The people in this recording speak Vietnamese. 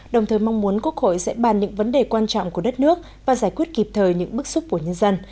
đồng thời mong muốn quốc hội sẽ bàn những vấn đề quan trọng của đất nước và giải quyết kịp thời những bức xúc của nhân dân